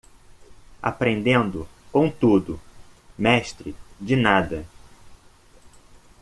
Aprendendo com tudo, mestre de nada.